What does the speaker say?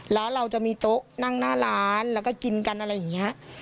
แล้วเราจะมีโต๊ะนั่งหน้าร้านแล้วก็กินกันอะไรอย่างนี้